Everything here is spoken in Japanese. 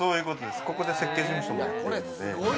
ここで設計事務所もやってるんで。